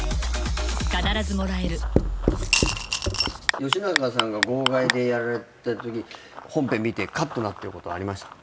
吉永さんが号外でやられたとき本編見てカットになってることありました？